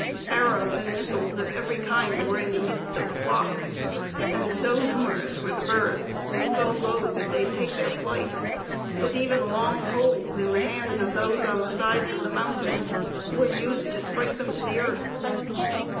Arrows and missiles of every kind were in the midst of the flocks; and so numerous were the birds, and so low did they take their flight, that even long poles, in the hands of those on the sides of the mountain, were used to strike them to the earth....